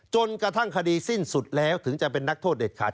จนกระทั่งคดีสิ้นสุดแล้วถึงจะเป็นนักโทษเด็ดขาด